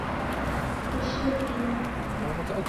Koshi ridima kufundwa.